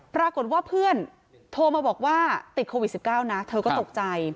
ปรากฏว่าเพื่อนโทรมาบอกว่าติดโควิด๑๙นะเธอก็ตกใจ